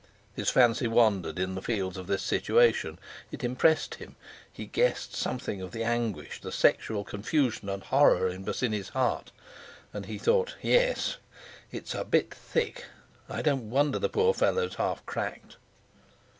His fancy wandered in the fields of this situation; it impressed him; he guessed something of the anguish, the sexual confusion and horror in Bosinney's heart. And he thought: "Yes, it's a bit thick! I don't wonder the poor fellow is half cracked!"